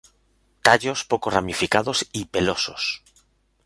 Tallos poco ramificados y pelosos.